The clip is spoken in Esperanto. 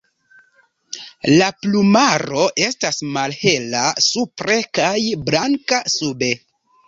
La plumaro estas malhela supre kaj blanka sube.